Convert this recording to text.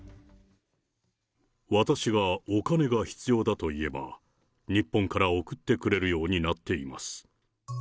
私がお金が必要だと言えば、日本から送ってくれるようになっています。